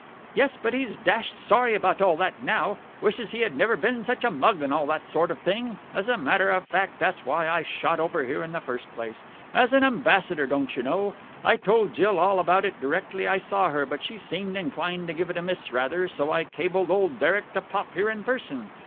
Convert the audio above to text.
"Yes, but he's dashed sorry about all that now. Wishes he had never been such a mug, and all that sort of thing. As a matter of fact, that's why I shot over here in the first place. As an ambassador, don't you know. I told Jill all about it directly I saw her, but she seemed inclined to give it a miss rather, so I cabled old Derek to pop here in person.